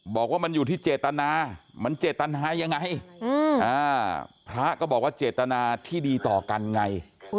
บอกว่ามันอยู่ที่เจตนามันเจตนายังไงพระก็บอกว่าเจตนาที่ดีต่อกันไง